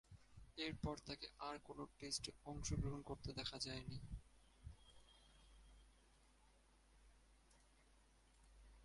এরপর আর তাকে কোন টেস্টে অংশগ্রহণ করতে দেখা যায়নি।